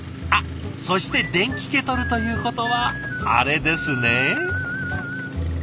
あっそして電気ケトルということはあれですね。